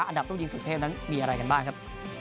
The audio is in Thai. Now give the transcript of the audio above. อันดับต้องยิงสุเทพนั้นมีอะไรกันบ้างครับ